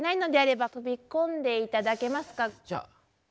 じゃあ。